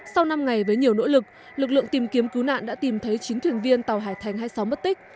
sau năm ngày với nhiều nỗ lực lực lượng tìm kiếm cứu nạn đã tìm thấy chín thuyền viên tàu hải thành hai mươi sáu mất tích